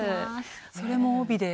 それも帯で？